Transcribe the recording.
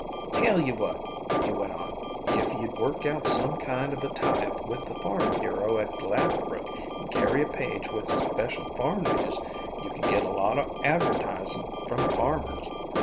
"Tell you what," he went on. "If you'd work out some kind of a tieup with the farm bureau at Gladbrook and carry a page with special farm news you could get a lot of advertising from farmers.